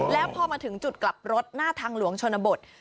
แล้วพอมาถึงจุดกลับรถหน้าทางหลวงชนบท